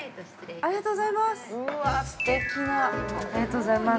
ありがとうございます。